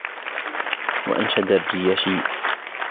وَأَنْشَدَ الرِّيَاشِيُّ